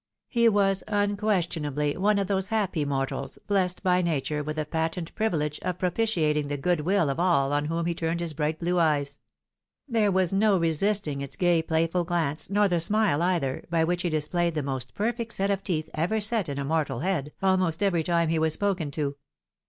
He was unquestionably one of those happy mortals, blessed by nature with the patent privilege of propitiating the good will of all on whom he turned his bright blue eye. There was no resisting its gay playful glance, nor the smile either, by which he displayed the most perfect set of teeth ever set in a mortal head, almost every time he *as spoken to.